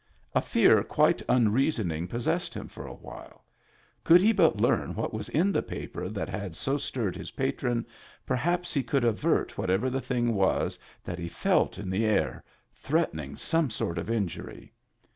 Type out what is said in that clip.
A fear quite unreasoning possessed him for a while : could he but learn what was in the paper that had so stirred his patron, perhaps he could avert whatever the thing was that he felt in the air, threatening some sort of injury.